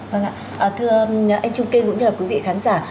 vâng ạ thưa anh trung kiên cũng như là quý vị khán giả